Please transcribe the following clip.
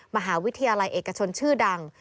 มหาวิทยาลัยเอกชนชื่อดัง